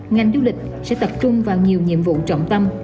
ngành du lịch sẽ tập trung vào nhiều nhiệm vụ trọng tâm